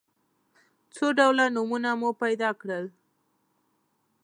څو ډوله نومونه مو پیدا کړل.